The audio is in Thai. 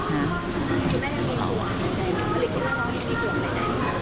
คุณแม่ยังมีห่วงใจไหม